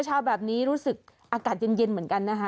เช้าแบบนี้รู้สึกอากาศเย็นเหมือนกันนะคะ